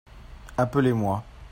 Appelez-moi.